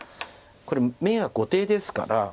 これ眼は後手ですから。